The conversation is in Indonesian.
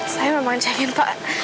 saya memang jangan pak